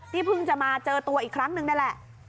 เพิ่งจะมาเจอตัวอีกครั้งนึงนั่นแหละ